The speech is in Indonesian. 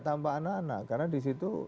tanpa anak anak karena di situ